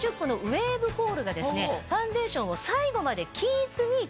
ファンデーションを最後まで。